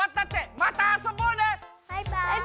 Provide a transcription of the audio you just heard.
またあそぼうね！